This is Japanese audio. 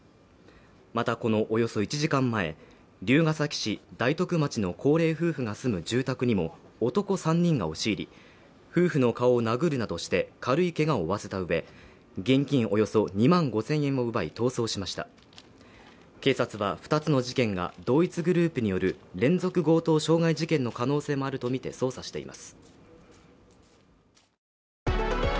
またこのおよそ１時間前龍ケ崎市大徳町の高齢夫婦が住む住宅にも男３人が押し入り夫婦の顔を殴るなどして軽いけがを負わせたうえ現金およそ２万５０００円を奪い逃走しました警察は２つの事件が同一グループによる連続強盗傷害事件の可能性もあるとみて捜査しています